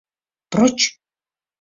— Проч!